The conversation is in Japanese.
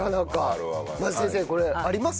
まず先生これありますか？